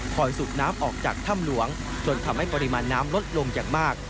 สูบน้ำออกจากถ้ำหลวงจนทำให้ปริมาณน้ำลดลงอย่างมาก